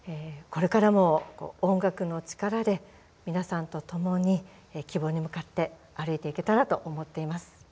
これからも、音楽の力で、皆さんと共に、希望に向かって歩いていけたらと思っています。